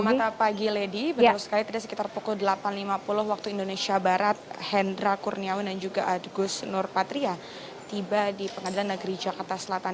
selamat pagi lady betul sekali tadi sekitar pukul delapan lima puluh waktu indonesia barat hendra kurniawan dan juga agus nur patria tiba di pengadilan negeri jakarta selatan